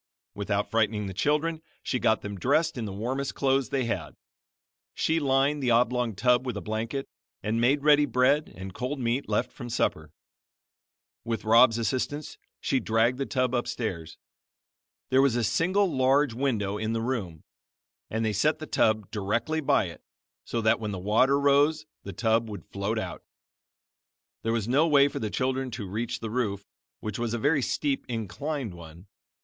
Without frightening the children she got them dressed in the warmest clothes they had. She lined the oblong tub with a blanket, and made ready bread and cold meat left from supper. With Rob's assistance she dragged the tub upstairs. There was a single large window in the room, and they set the tub directly by it, so that when the water rose the tub would float out. There was no way for the children to reach the roof, which was a very steep, inclined one.